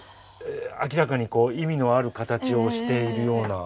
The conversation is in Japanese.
明らかに意味のある形をしているような。